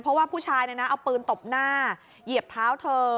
เพราะว่าผู้ชายเอาปืนตบหน้าเหยียบเท้าเธอ